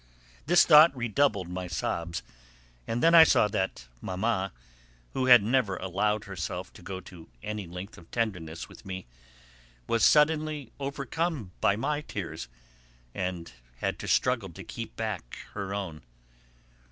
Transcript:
This thought redoubled my sobs, and then I saw that Mamma, who had never allowed herself to go to any length of tenderness with me, was suddenly overcome by my tears and had to struggle to keep back her own.